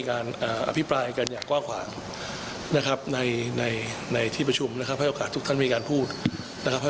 กับเรื่องที่ประชุมพูดนะฮะ